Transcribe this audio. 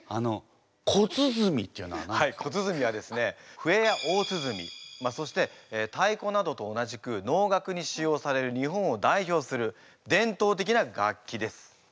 笛や大鼓そして太鼓などと同じく能楽に使用される日本を代表する伝統的な楽器です。